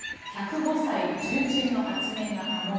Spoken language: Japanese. １０５歳重鎮の発言が波紋。